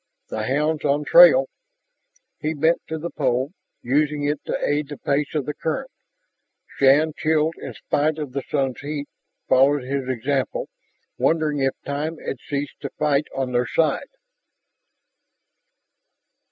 "The hound's on trail." He bent to the pole, using it to aid the pace of the current. Shann, chilled in spite of the sun's heat, followed his example, wondering if time had ceased to fight on their side.